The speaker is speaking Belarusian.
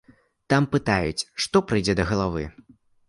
Там пытаюць, што прыйдзе да галавы.